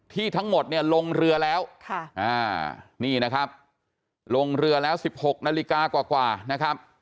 ทั้งหมดเนี่ยลงเรือแล้วนี่นะครับลงเรือแล้ว๑๖นาฬิกากว่านะครับ